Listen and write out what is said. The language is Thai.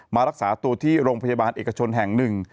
รักษาตัวที่โรงพยาบาลเอกชนแห่งหนึ่ง